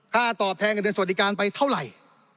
ค่าตอบแทงกันทางสวัสดิการไปเท่าไหร่